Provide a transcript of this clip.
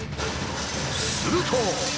すると。